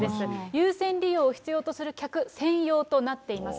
優先利用を必要とする客専用となっています。